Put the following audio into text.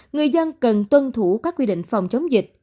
người dân cần tuân thủ các quy định phòng chống dịch